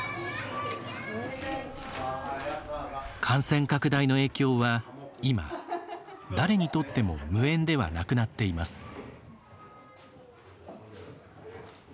感染拡大の影響は今、誰にとっても無縁ではなくなっています。